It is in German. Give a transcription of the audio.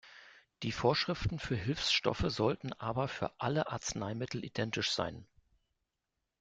Die Vorschriften für Hilfsstoffe sollten aber für alle Arzneimittel identisch sein.